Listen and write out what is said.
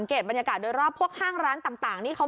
เชื่อว่ามวลชนทุกคนอาจจะลงมาสมทบรวมกันเป็นกลุ่มค่ะ